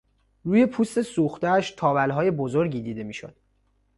روی پوست سوختهاش تاولهای بزرگی دیده میشد.